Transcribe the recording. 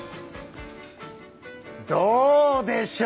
どうでしょう？